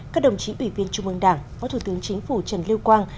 các đồng chí ủy viên trung ương đảng phó thủ tướng chính phủ trần lưu quang